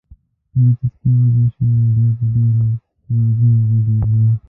کله چې سپی وږي شي، نو بیا په ډیرو نازونو غږیږي.